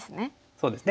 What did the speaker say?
そうですね。